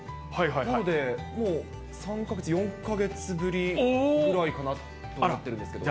なのでもう、３か月、４か月ぶりぐらいかなと思ってるんですけど。